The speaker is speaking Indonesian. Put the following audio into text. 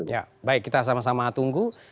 ya baik kita sama sama tunggu